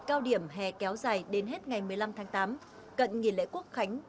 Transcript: cao điểm hè kéo dài đến hết ngày một mươi năm tháng tám cận nghỉ lễ quốc khánh